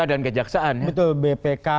dan kejaksaan bpk